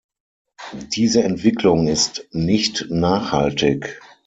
Diese Entwicklung ist nicht nachhaltig.